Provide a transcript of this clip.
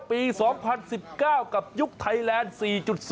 ปี๒๐๑๙กับยุคไทยแลนด์๔๒